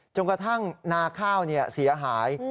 กระทั่งนาข้าวเสียหาย